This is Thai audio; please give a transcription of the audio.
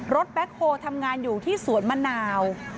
แบ็คโฮลทำงานอยู่ที่สวนมะนาว